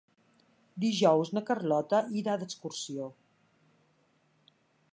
Dijous na Carlota irà d'excursió.